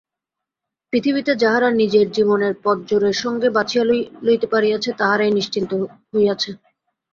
পৃথিবীতে যাহারা নিজের জীবনের পথ জোরের সঙ্গে বাছিয়া লইতে পারিয়াছে তাহারাই নিশ্চিন্ত হইয়াছে।